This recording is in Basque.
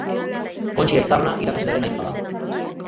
Kontxi Aizarna irakaslearen ahizpa da.